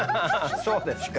そうですか。